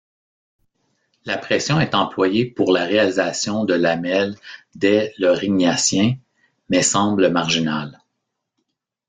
La pression est employée pour la réalisation de lamelles dès l'Aurignacien, mais semble marginale.